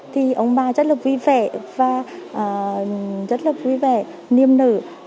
thì ông bà rất là vui vẻ và rất là vui vẻ niêm nử